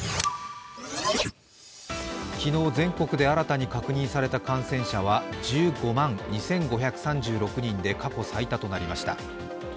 昨日全国で新たに確認された感染者は１５万２５３６人で過去最多となりました。